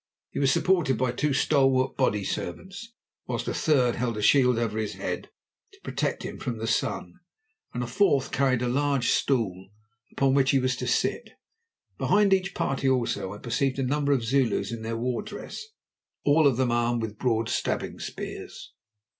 He was supported by two stalwart body servants, whilst a third held a shield over his head to protect him from the sun, and a fourth carried a large stool, upon which he was to sit. Behind each party, also, I perceived a number of Zulus in their war dress, all of them armed with broad stabbing spears.